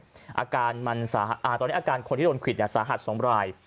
อาการมันสาหรับอ่าตอนนี้อาการคนที่โดนขวิดเนี่ยสาหัสสองราย